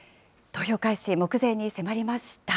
投票開始、目前に迫りました。